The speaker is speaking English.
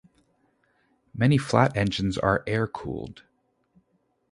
Many flat engines are air-cooled.